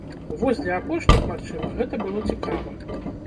Вось для апошніх, магчыма, гэта было цікава.